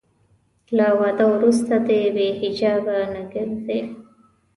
له واده وروسته دې بې حجابه نه ګرځي.